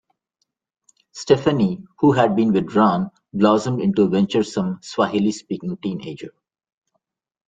Stefanie, who had been withdrawn, blossomed into a venturesome, Swahili-speaking teenager.